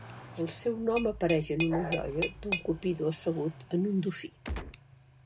El seu nom apareix en una joia d'un Cupido assegut en un dofí.